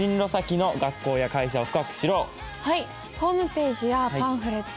ホームページやパンフレット